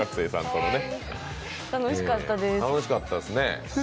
楽しかったですね。